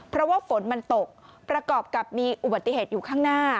เพราะว่าฝนมันตกประกอบกับมีอุบัติเหตุอยู่ข้างหน้า